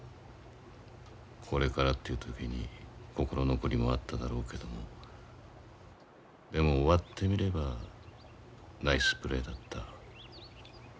これからっていう時に心残りもあっただろうけどもでも終わってみればナイスプレーだった。